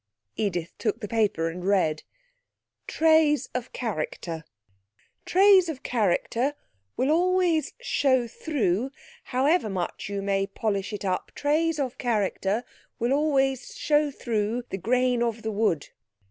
Edith took the paper and read: 'TRAYS OF CHARACTER trays of character will always show threw how ever much you may polish it up trays of character will always show threw the grane of the wood.